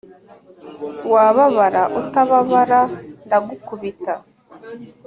wababara utababara ndagukubita